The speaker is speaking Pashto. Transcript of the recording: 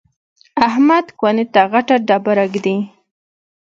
احمد کونې ته غټه ډبره ږدي.